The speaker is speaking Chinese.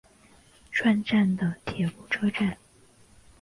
串站的铁路车站。